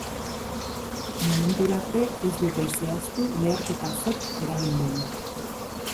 Momentura arte, ez dute zehaztu leherketa zerk eragin duen.